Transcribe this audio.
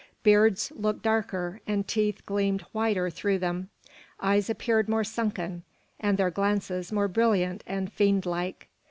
Beards looked darker, and teeth gleamed whiter through them. Eyes appeared more sunken, and their glances more brilliant and fiend like.